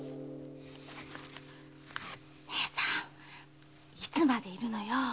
ねえさんいつまで居るの？